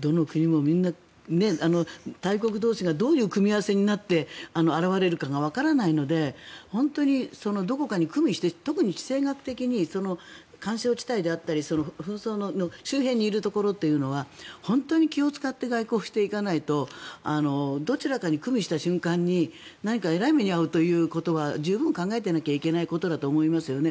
どの国もみんな大国同士がどういう組み合わせになって現れるかがわからないので本当にどこかに、くみして特に地政学的に緩衝地帯であったり紛争の周辺にいるところというのは本当に気を使って外交をしていかないとどちらかに、くみした瞬間に何かえらい目に遭うということは十分考えなきゃいけないことだと思いますよね。